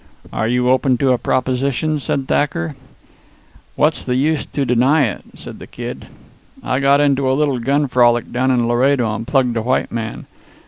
"Are you open to a proposition?" said Thacker. "What's the use to deny it?" said the Kid. "I got into a little gun frolic down in Laredo and plugged a white man.